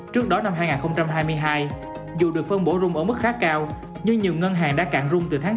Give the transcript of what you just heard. trước đó năm hai nghìn hai mươi hai dù được phân bổ rung ở mức khá cao nhưng nhiều ngân hàng đã cạn rung từ tháng bốn